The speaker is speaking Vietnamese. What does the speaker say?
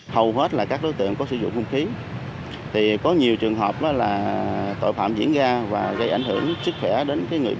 hầu hết là các đối tượng có sử dụng không khí thì có nhiều trường hợp là tội phạm diễn ra và gây ảnh hưởng sức khỏe